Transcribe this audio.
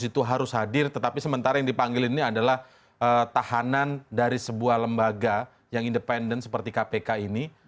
itu harus hadir tetapi sementara yang dipanggil ini adalah tahanan dari sebuah lembaga yang independen seperti kpk ini